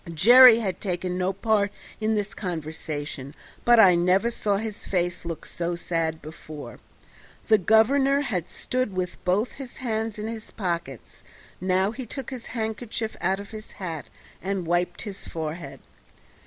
Jerry had taken no part in this conversation, but I never saw his face look so sad before. The governor had stood with both his hands in his pockets; now he took his handkerchief out of his hat and wiped his forehead.